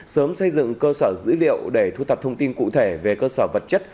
sớm xây dựng cơ sở dữ liệu để thu thập thông tin cụ thể về cơ sở vật chất